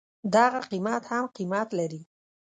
دغه قيمت هم قيمت لري.